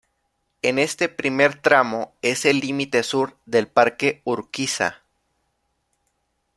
En este primer tramo es el límite sur del Parque Urquiza.